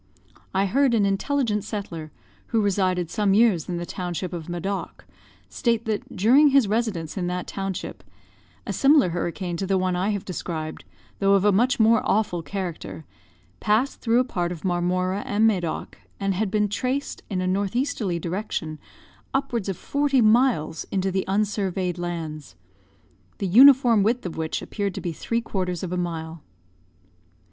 I heard an intelligent settler, who resided some years in the township of Madoc, state that, during his residence in that township, a similar hurricane to the one I have described, though of a much more awful character, passed through a part of Marmora and Madoc, and had been traced, in a north easterly direction, upwards of forty miles into the unsurveyed lands; the uniform width of which appeared to be three quarters of a mile.